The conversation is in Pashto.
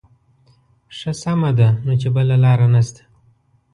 ښه سمه ده نو چې بله لاره نه شته.